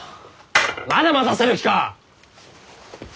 まだ待たせる気か！？